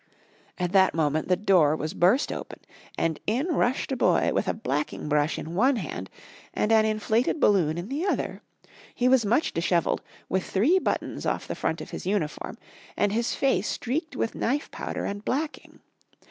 At that moment the door was burst open and in rushed a boy with a blacking brush in one hand and an inflated balloon in the other. He was much dishevelled, with three buttons off the front of his uniform, and his face streaked with knife powder and blacking.